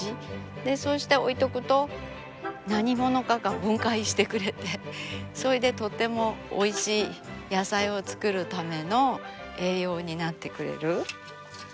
そうして置いておくと何者かが分解してくれてそれでとってもおいしい野菜を作るための栄養になってくれる。